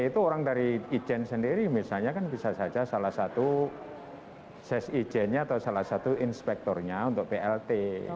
tapi dari irjen sendiri misalnya kan bisa saja salah satu ses irjennya atau salah satu inspektornya untuk plt